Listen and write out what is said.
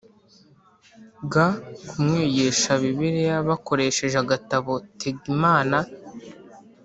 ga kumwigisha Bibiliya bakoresheje agatabo Tega Imana